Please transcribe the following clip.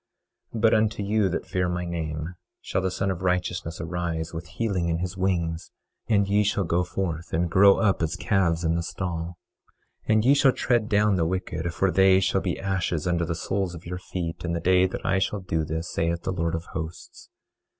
25:2 But unto you that fear my name, shall the Son of Righteousness arise with healing in his wings; and ye shall go forth and grow up as calves in the stall. 25:3 And ye shall tread down the wicked; for they shall be ashes under the soles of your feet in the day that I shall do this, saith the Lord of Hosts.